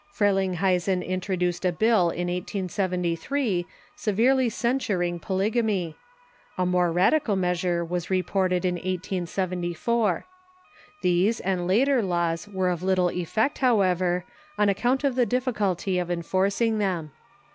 Freling huysen introduced a bill in 1873 severely censuring polyg amy. A more radical measure was reported in 1874. These and later laws were of little effect, however, on account of the difficulty of enforcing them.